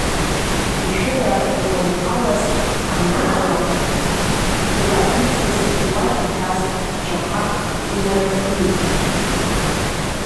Ишәыра иҟәынҳәалаз анаалаҟә, ила ицыз уа иҭаз ачақәа инарыфҩит.